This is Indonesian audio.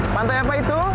pantai apa itu